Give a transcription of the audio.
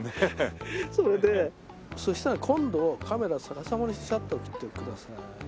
それでそしたら今度カメラを逆さまにしてシャッターを切ってください。